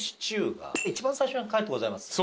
一番最初に書いてございます。